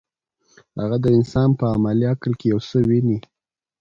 هغه د انسان په عملي عقل کې یو څه ویني.